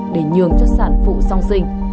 để nhường cho sản phụ song sinh